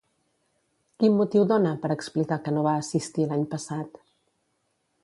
Quin motiu dona per explicar que no va assistir l'any passat?